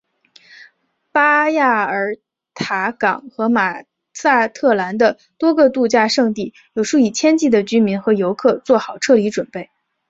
巴亚尔塔港和马萨特兰的多个度假胜地有数以千计的居民和游客做好撤离准备。